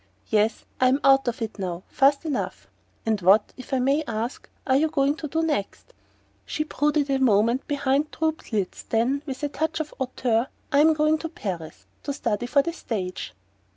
"Yes I'm out of it now fast enough." "And what if I may ask are you doing next?" She brooded a moment behind drooped lids; then, with a touch of hauteur: "I'm going to Paris: to study for the stage."